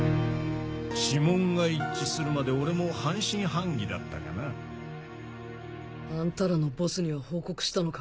指紋が一致するまで俺も半信半疑だったがな。あんたらのボスには報告したのか？